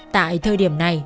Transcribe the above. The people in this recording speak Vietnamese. tại thời điểm này